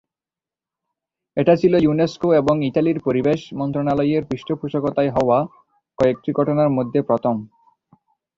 এটা ছিল ইউনেস্কো এবং ইতালির পরিবেশ মন্ত্রণালয়ের পৃষ্ঠপোষকতায় হওয়া কয়েকটি ঘটনার মধ্যে প্রথম।